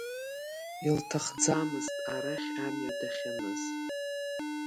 Илҭахӡамызт арахь амҩа дахьаныз.